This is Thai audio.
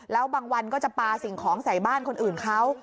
แล้วบางวันก็จะปลาสิ่งของใส่บ้านคนอื่นเขา